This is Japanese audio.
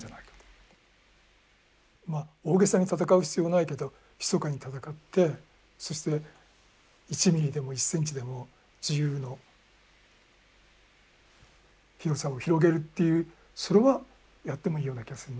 まあ大げさに闘う必要はないけどひそかに闘ってそして１ミリでも１センチでも自由の広さを広げるっていうそれはやってもいいような気がするな。